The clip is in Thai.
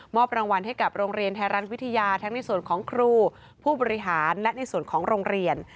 รางวัลให้กับโรงเรียนไทยรัฐวิทยาทั้งในส่วนของครูผู้บริหารและในส่วนของโรงเรียน